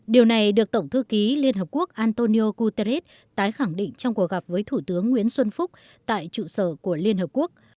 điều này được tổng thư ký liên hợp quốc antonio guterres tái khẳng định trong cuộc gặp với thủ tướng nguyễn xuân phúc tại trụ sở của liên hợp quốc